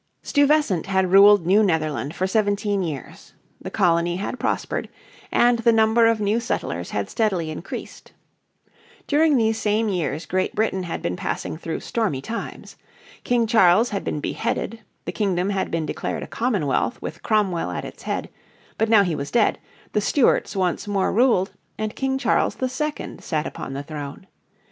Stuyvesant had ruled New Netherland for seventeen years. The colony had prospered, and the number of new settlers had steadily increased. During these same years Great Britain had been passing through stormy times. King Charles had been beheaded, the kingdom had been declared a Commonwealth with Cromwell at its head, but he was now dead, the Stuarts once more ruled, and King Charles II sat upon the throne.